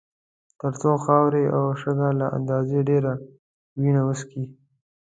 تر څو خاورې او شګه له اندازې ډېره وینه وڅښي.